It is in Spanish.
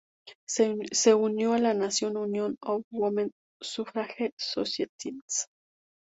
Se unió a la National Union of Women's Suffrage Societies.